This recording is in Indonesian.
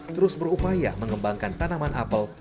terus berupaya mengembangkan tanaman apel